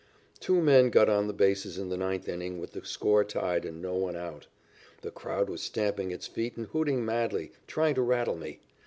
Two men got on the bases in the ninth inning with the score tied and no one out. The crowd was stamping its feet and hooting madly, trying to rattle me.